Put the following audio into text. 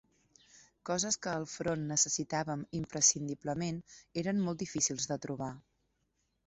Coses que al front necessitàvem imprescindiblement, eren molt difícils de trobar